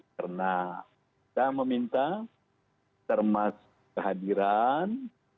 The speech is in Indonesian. karena kita meminta termasuk kehadiran